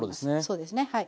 そうですねはい。